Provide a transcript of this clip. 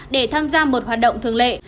để tham gia một hoạt động thường lệ